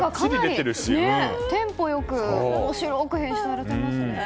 テンポ良く面白く編集されていますね。